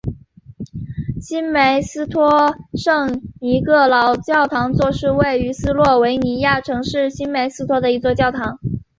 新梅斯托圣尼各老主教座堂是位于斯洛维尼亚城市新梅斯托的一座教堂。